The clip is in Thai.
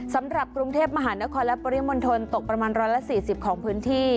สำหรับกรุงเทพมหานครและปริมณฑลตกประมาณ๑๔๐ของพื้นที่